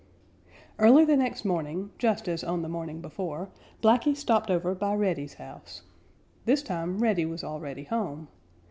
Early the next morning, just as on the morning before, Blacky stopped over by Reddy's house. This time Reddy was already home.